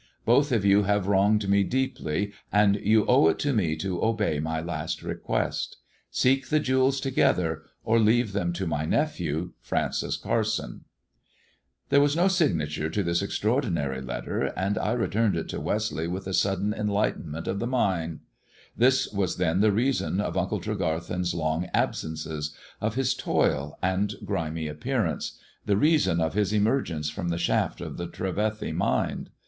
Both of you have wronged me deeply, and you owe it to me to obey my last request. Seek the jewels together, or leave them to my nephew, Francis Carson." 206 THE DEAD MAN*S DIAMONDS There was no signature to this extraordinary letter, and I returned it to Westleigh with a sudden enlightenment of the mind. This then was the reason of Uncle Tregarthen's long absences — of his toil and grimy appearance — the reason of his emergence from the shaft of the Trevethj Mine.